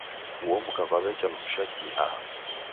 Uo mka kwaw'echa mujisha kii aha?